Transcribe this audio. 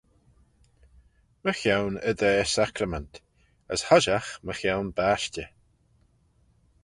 Mychione y daa sacrament; as hoshiaght mychione bashtey.